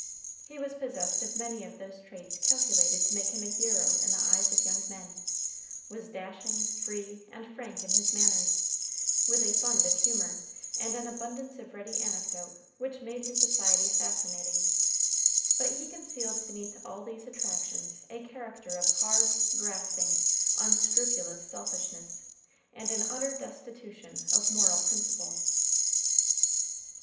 He was possessed of many of those traits calculated to make him a hero in the eyes of young men; was dashing, free, and frank in his manners, with a fund of humor and an abundance of ready anecdote which made his society fascinating; but he concealed beneath all these attractions a character of hard, grasping, unscrupulous selfishness, and an utter destitution of moral principle.